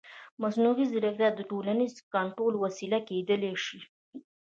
مصنوعي ځیرکتیا د ټولنیز کنټرول وسیله کېدای شي.